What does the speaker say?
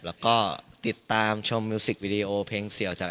แล้วก็ติดตามชมมิวสิกวิดีโอเพลงเสี่ยวจาก